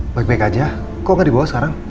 baik baik aja kok nggak dibawa sekarang